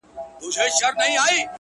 • پر مردارو وي راټول پر لویو لارو,